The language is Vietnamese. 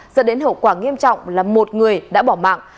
dẫn đến hậu quả nghiêm trọng là một người đã bỏ mạng